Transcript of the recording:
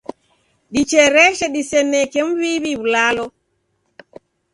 Dichereshe diseneke m'mbiw'i w'ulalo.